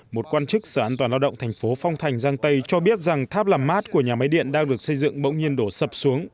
một quan chức sở an toàn lao động thành phố phong thành giang tây cho biết rằng tháp làm mát của nhà máy điện đang được xây dựng bỗng nhiên đổ sập xuống